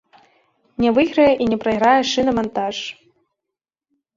Не выйграе і не прайграе шынамантаж.